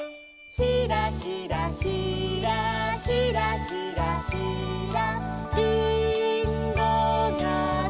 「ひらひらひらひらひらひら」